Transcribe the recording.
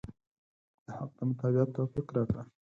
د حق د متابعت توفيق راکړه.